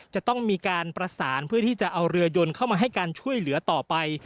จะต้องมีการประสานเพื่อที่จะเอาเรือยนเข้ามาให้การช่วยเหลือต่อไป